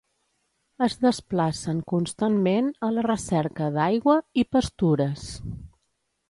Es desplacen constantment a la recerca d'aigua i pastures.